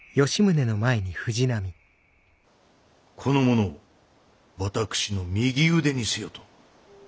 この者を私の右腕にせよと。